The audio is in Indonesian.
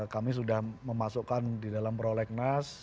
kami sudah memasukkan di dalam prolegnas